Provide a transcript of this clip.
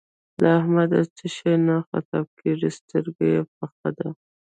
له احمده څه شی نه خطا کېږي؛ سترګه يې پخه ده.